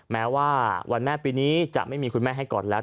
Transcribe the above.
แม้ว่าวันแม่ปีนี้จะไม่มีคุณแม่ให้ก่อนแล้ว